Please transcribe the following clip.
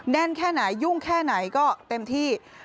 แน่นแค่ไหนยุ่งแค่ไหนก็เต็มที่